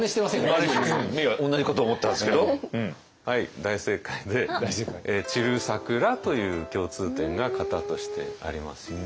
大正解で「散る桜」という共通点が型としてありますよね。